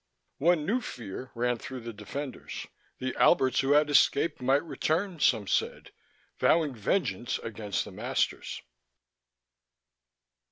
One new fear ran through the defenders. The Alberts who had escaped might return, some said, vowing vengeance against the masters....